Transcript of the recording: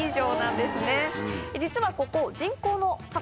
実はここ。